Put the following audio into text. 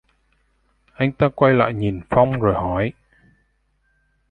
Anh ta quay lại nhìn phong rồi hỏi